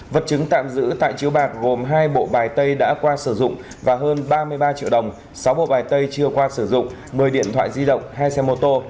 vật chứng tạm giữ tại chiếu bạc gồm hai bộ bài tây đã qua sử dụng và hơn ba mươi ba triệu đồng sáu bộ bài tay chưa qua sử dụng một mươi điện thoại di động hai xe mô tô